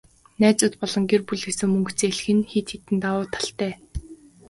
Найзууд болон гэр бүлээсээ мөнгө зээлэх нь хэд хэдэн давуу талуудтай.